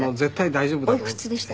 おいくつでした？